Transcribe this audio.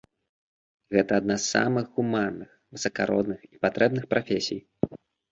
Гэта адна з самых гуманных, высакародных і патрэбных прафесій.